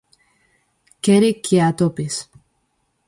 Quere que a atopes.